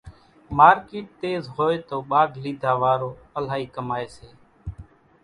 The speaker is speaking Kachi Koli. مارڪيٽ تيز هوئيَ تو ٻاگھ ليڌا وارو الائِي ڪمائيَ سي۔